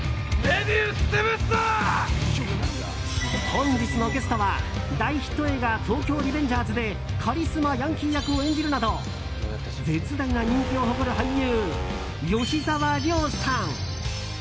本日のゲストは大ヒット映画「東京リベンジャーズ」でカリスマヤンキー役を演じるなど絶大な人気を誇る俳優吉沢亮さん。